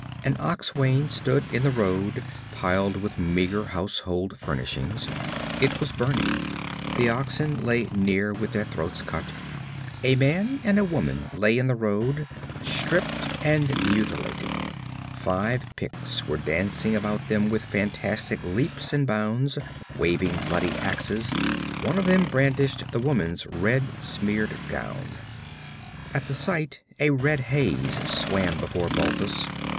An ox wain stood in the road piled with meager household furnishings; it was burning; the oxen lay near with their throats cut. A man and a woman lay in the road, stripped and mutilated. Five Picts were dancing about them with fantastic leaps and bounds, waving bloody axes; one of them brandished the woman's red smeared gown. At the sight a red haze swam before Balthus.